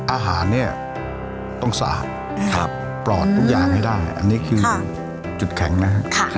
อาหารเนี่ยต้องสะอาดปลอดทุกอย่างให้ได้อันนี้คือจุดแข็งนะฮะ